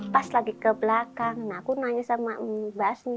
pas lagi ke belakang aku nanya sama mbak sni